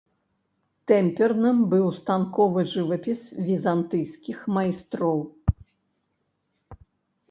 Тэмперным быў станковы жывапіс візантыйскіх майстроў.